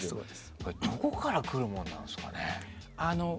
どこから来るものなんですかね？